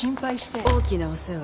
大きなお世話。